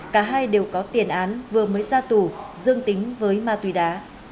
cả hai đều có tiền án vừa mới ra tù dương tính với ma túy đá